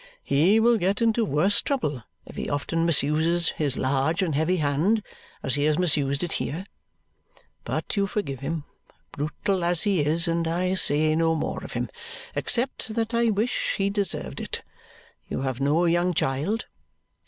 "He will get into worse trouble if he often misuses his large and heavy hand as he has misused it here. But you forgive him, brutal as he is, and I say no more of him, except that I wish he deserved it. You have no young child?"